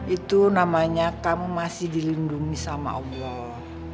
itu namanya kamu masih dilindungi sama allah